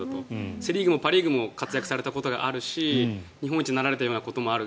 セ・リーグもパ・リーグも活躍されたことがあるし日本一になられたこともある。